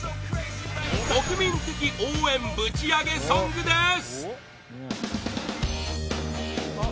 国民的応援ぶちアゲソングです